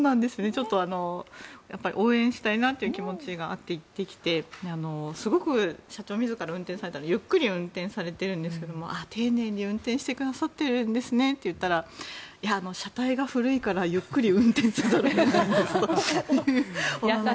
ちょっと、応援したいなって気持ちがあって行ってきてすごく社長自ら運転されたのでゆっくり運転されてるんですけど丁寧に運転してくださってるんですねって言ったらいや、車体が古いからゆっくり運転せざるを得ないんですという。